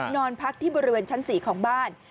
นอนพักที่บริเวณชั้น๔ของบ้าน